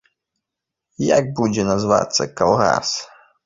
Як будзе называцца калгас?